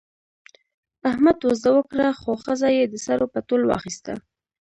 احمد وزده وکړه، خو ښځه یې د سرو په تول واخیسته.